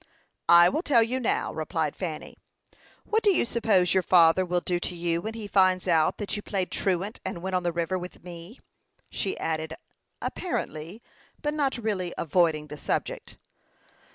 "I will tell you now," replied Fanny. "What do you suppose your father will do to you when he finds out that you played truant, and went on the river with me?" she added, apparently, but not really, avoiding the subject.